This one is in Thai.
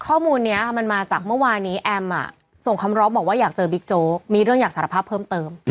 ข้อมูลนี้มันมาจากเมื่อวานี้แอมส่งคำร้องบอกว่าอยากเจอบิ๊กโจ๊กมีเรื่องอยากสารภาพเพิ่มเติม